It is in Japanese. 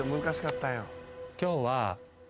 今日は。